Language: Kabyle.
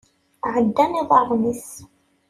Ɛeddan iḍarren-is.